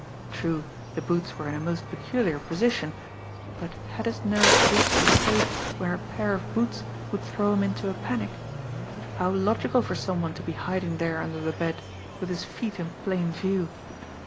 True, the boots were in a most peculiar position, but had his nerves reached the state where a pair of boots would throw him into a panic! How logical for some one to be hiding there under the bed with his feet in plain view!